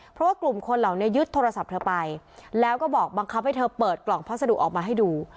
เพราะว่ากลุ่มคนเหล่านี้ยึดโทรศัพท์เธอไปแล้วก็บอกบังคับให้เธอเปิดกล่องพัสดุออกมาให้ดู